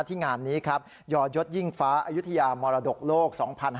งานนี้ครับยอยศยิ่งฟ้าอายุทยามรดกโลก๒๕๕๙